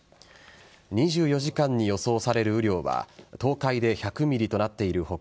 ２４時間に予想される雨量は東海で１００ｍｍとなっている他